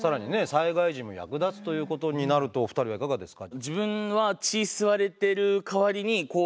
災害時も役立つということになるとお二人はいかがですか？